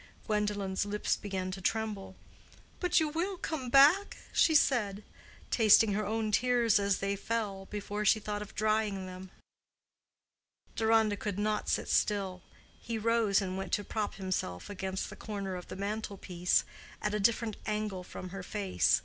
Gwendolen's lips began to tremble. "But you will come back?" she said, tasting her own tears as they fell, before she thought of drying them. Deronda could not sit still. He rose, and went to prop himself against the corner of the mantel piece, at a different angle from her face.